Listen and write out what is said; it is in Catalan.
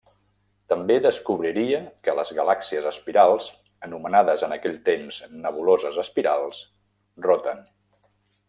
També descobriria que les galàxies espirals, anomenades en aquells temps nebuloses espirals, roten.